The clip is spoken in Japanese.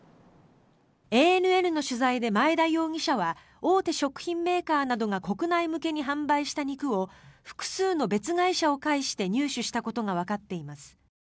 ＡＮＮの取材で、前田容疑者は大手食品メーカーなどが国内向けに販売した肉を複数の別会社を介して入手したことがわかっています。